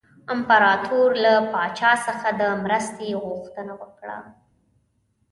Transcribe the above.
امپراطور له پاچا څخه د مرستې غوښتنه وکړه.